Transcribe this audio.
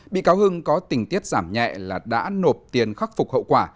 bị cáo hưng có tình tiết giảm nhẹ là đã nộp tiền khắc phục hậu quả